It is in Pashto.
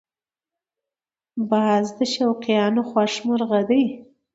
باز د شوقیانو خوښ مرغه دی